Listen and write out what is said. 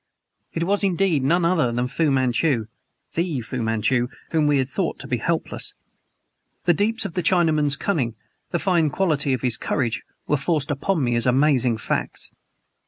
It was indeed none other than Fu Manchu the Fu Manchu whom we had thought to be helpless. The deeps of the Chinaman's cunning the fine quality of his courage, were forced upon me as amazing facts.